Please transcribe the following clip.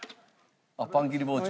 あっパン切り包丁。